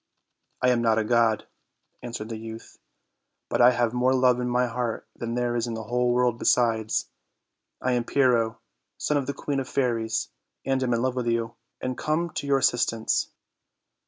"I am not a god," answered the youth, "but I have more love in my heart than there is in the whole world besides. I am Pyrrho, son of the queen of fairies; I am in love with you, and am come to your assistance."